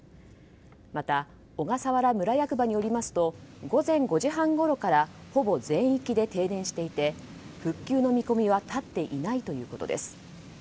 また、小笠原村役場によりますと午前５時半ごろからほぼ全域で停電していて復旧の見込みは立っていないということです。